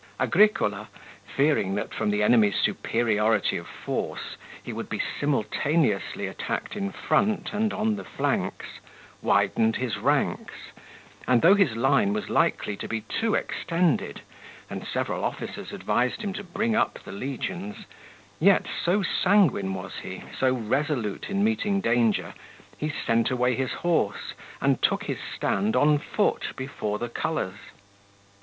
Agricola, fearing that from the enemy's superiority of force he would be simultaneously attacked in front and on the flanks, widened his ranks, and though his line was likely to be too extended, and several officers advised him to bring up the legions, yet, so sanguine was he, so resolute in meeting danger, he sent away his horse and took his stand on foot before the colours.